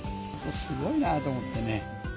すごいなぁと思ってね。